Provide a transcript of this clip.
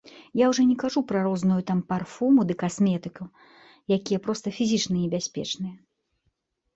Я ўжо не кажу пра розную там парфуму ды касметыку, якія проста фізічна небяспечныя!